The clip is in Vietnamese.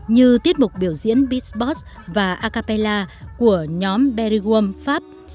như tiết mục biểu diễn beatbox và a cappella của nhóm berryworm pháp